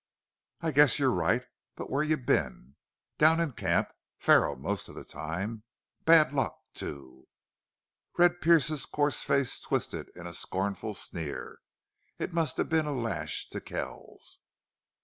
"I guess you're right. But where've you been?" "Down in camp. Faro, most of the time. Bad luck, too." Red Pearce's coarse face twisted into a scornful sneer. It must have been a lash to Kells.